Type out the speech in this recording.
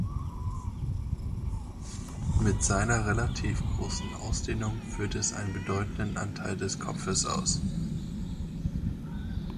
Mit seiner relativ großen Ausdehnung füllt es einen bedeutenden Anteil des Kopfes aus.